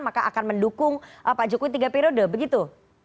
maka akan mendukung pak jokowi tiga periode begitu